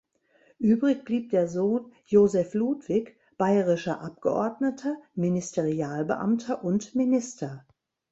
Übrig blieb der Sohn "Joseph Ludwig", bayerischer Abgeordneter, Ministerialbeamter und Minister.